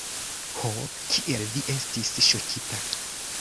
Ho, kiel vi estis ŝokita!